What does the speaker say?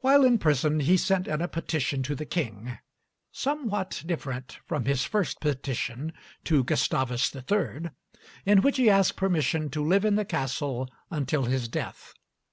While in prison he sent in a petition to the King, somewhat different from his first petition to Gustavus III., in which he asked permission to live in the castle until his death.